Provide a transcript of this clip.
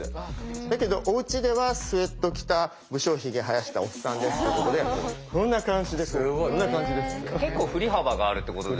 だけどおうちではスエット着た不精ひげ生やしたおっさんですってことでこんな感じです。